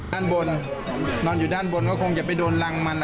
ด้านบนนอนอยู่ด้านบนก็คงจะไปโดนรังมัน